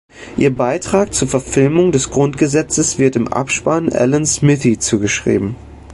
Ihr Beitrag zur Verfilmung des Grundgesetzes wird im Abspann Alan Smithee zugeschrieben.